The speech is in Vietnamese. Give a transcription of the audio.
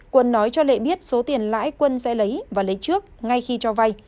quân nói cho lệ biết số tiền lãi quân sẽ lấy và lấy trước ngay khi cho vay